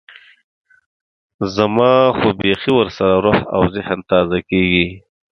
زما خو بيخي ورسره روح او ذهن تازه کېږي.